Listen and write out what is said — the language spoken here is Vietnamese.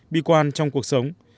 bi quan trong cuộc sống